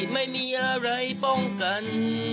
ไม่มีอะไรป้องกัน